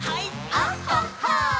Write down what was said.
「あっはっは」